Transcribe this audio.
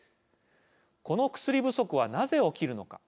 この薬不足はなぜ起きるのか。